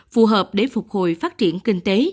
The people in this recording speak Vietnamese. phù hợp để phục hồi phát triển kinh tế